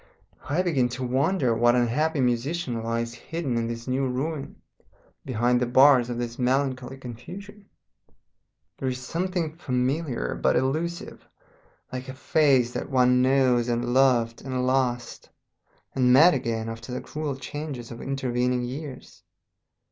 I begin to wonder what unhappy musician lies hidden in this new ruin, behind the bars of this melancholy confusion. There is something familiar but elusive, like a face that one has known and loved and lost and met again after the cruel changes of intervening years.